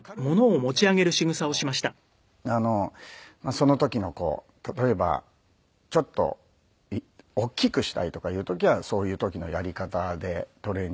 その時のこう例えばちょっと大きくしたいとかいう時はそういう時のやり方でトレーニングして。